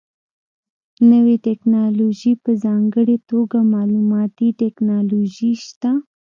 نوې ټکنالوژي په ځانګړې توګه معلوماتي ټکنالوژي شته.